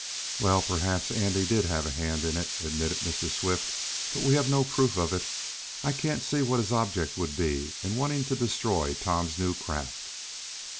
"Well, perhaps Andy did have a hand in it," admitted Mr. Swift, "but we have no proof of it, I can't see what his object would be in wanting to destroy Tom's new craft."